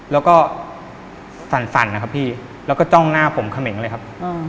แล้วก็สั่นนะครับพี่แล้วก็จ้องหน้าผมเขมงเลยครับ